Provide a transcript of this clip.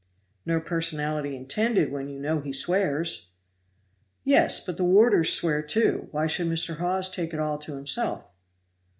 "No personality intended when you know he swears!" "Yes, but the warders swear, too. Why should Mr. Hawes take it all to himself?"